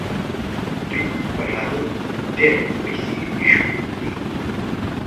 دوی پر هغه ډېرې پیسې ایښي دي.